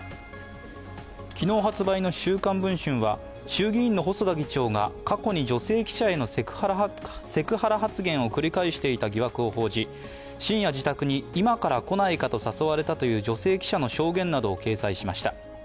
昨日発売の「週刊文春」は、衆議院の細田議長が過去に女性記者へのセクハラ発言を繰り返していた疑惑を報じ深夜、自宅に、今から来ないかと誘われたという女性記者の証言などを掲載しました。